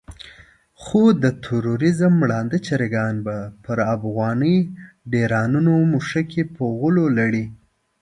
خو د تروريزم ړانده چرګان به پر افغاني ډيرانونو مښوکې په غولو لړي.